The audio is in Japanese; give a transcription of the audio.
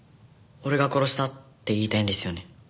俺が殺したって言いたいんですよね？